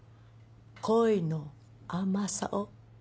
恋の甘さを。